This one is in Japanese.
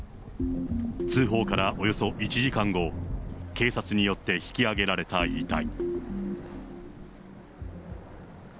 通報からおよそ１時間後、警察によって引き揚げられた遺体。